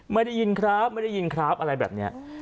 ได้ยินครับไม่ได้ยินครับอะไรแบบนี้